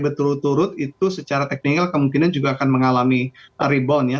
berturut turut itu secara teknikal kemungkinan juga akan mengalami rebound ya